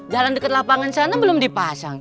jalan dekat lapangan sana belum dipasang